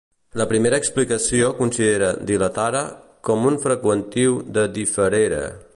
La primera explicació considera "dilatare" com un freqüentatiu de "differere".